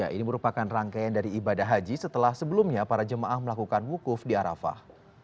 ini merupakan rangkaian dari ibadah haji setelah sebelumnya para jemaah melakukan wukuf di arafah